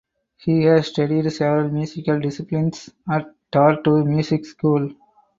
He has studied several musical disciplines at Tartu Music School.